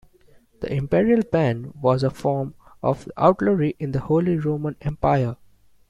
The imperial ban was a form of outlawry in the Holy Roman Empire.